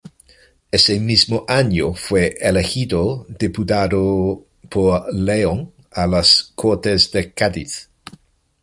Ese mismo año fue elegido Diputado por León a las Cortes de Cádiz.